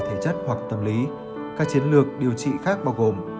thể chất hoặc tâm lý các chiến lược điều trị khác bao gồm